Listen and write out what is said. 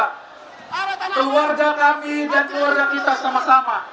keluarga kami dan keluarga kita sama sama